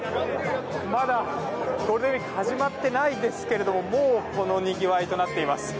まだゴールデンウィーク始まってないですがもう、このにぎわいとなっています。